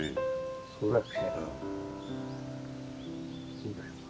そうだよね。